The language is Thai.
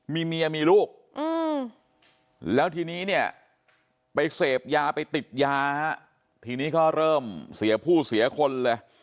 มีเมียมีลูกแล้วทีนี้เนี่ยไปเสพยาไปติดยาทีนี้ก็เริ่มเสียผู้เสียคนเลย